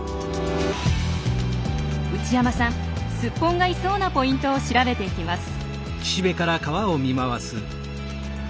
内山さんスッポンがいそうなポイントを調べていきます。